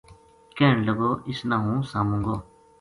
کہن لگو اس نا ہوں ساموں گو